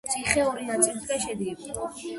ციხე ორი ნაწილისაგან შედგება.